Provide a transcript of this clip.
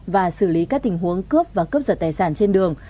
và xử lý các tình huống cướp và cướp giật tài sản trên đường